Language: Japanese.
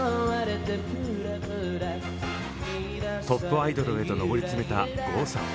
トップアイドルへと上り詰めた郷さん。